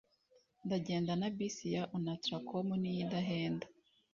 ndagenda na bisi ya onatracom niyo idahenda